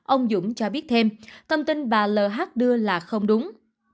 ông dũng cho biết thêm thông tin bà l đưa là không đúng